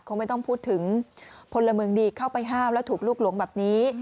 คงไม่ต้องพูดถึงพลเมืองดีเข้าไปห้ามแล้วถูกลูกหลงแบบนี้